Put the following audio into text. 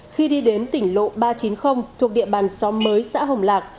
khi đi đến tỉnh lộ ba trăm chín mươi thuộc địa bàn xóm mới xã hồng lạc